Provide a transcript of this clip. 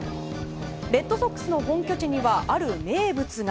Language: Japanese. レッドソックスの本拠地にはある名物が。